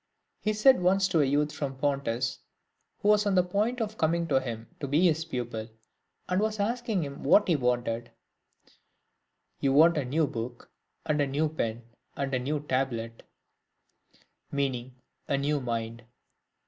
He said once to a youth from Pontus, who was on the point of coming to him to he his pupil, and was asking him what things he wanted, " You want a new book, and a new pen, and a new tablet;" — meaning a new mind.